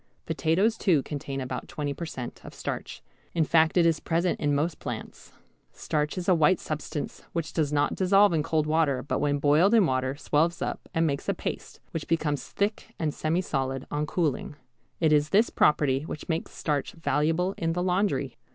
Potatoes too contain about 20 per cent. of starch, in fact it is present in most plants. Starch is a white substance which does not dissolve in cold water, but when boiled in water swells up and makes, a paste, which becomes thick and semisolid on cooling. It is this property which makes starch valuable in the laundry.